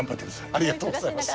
ありがとうございます。